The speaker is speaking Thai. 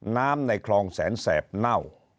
น้ำในคลองแสนแสบเน่า